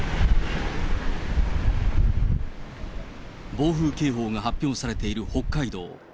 暴風警報が発表されている北海道。